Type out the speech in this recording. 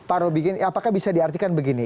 pak robikin apakah bisa diartikan begini